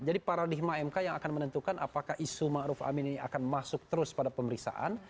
jadi paradigma mk yang akan menentukan apakah isu ma'ruf amin ini akan masuk terus pada pemeriksaan